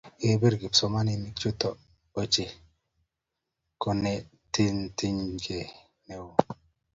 Kikibir kipsomaninik chuno ochei konetinte ne oo.